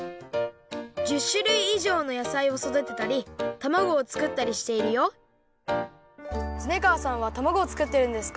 １０しゅるいいじょうのやさいをそだてたりたまごをつくったりしているよ恒川さんはたまごをつくってるんですか？